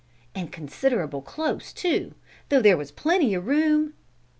("And consid'able close, too, though there was plenty o' room!")